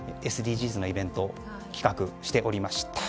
ＳＤＧｓのイベントを企画しておりました。